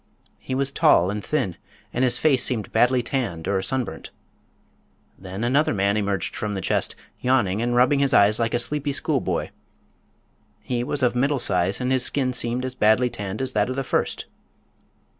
He was tall and thin and his face seemed badly tanned or sunburnt. Then another man emerged from the chest, yawning and rubbing his eyes like a sleepy schoolboy. He was of middle size and his skin seemed as badly tanned as that of the first.